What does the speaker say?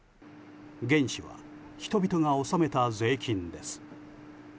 原資は人々が納めた税金です。